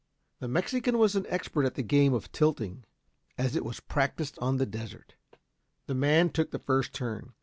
The Mexican was an expert at the game of tilting as it was practised on the desert. The man took the first turn.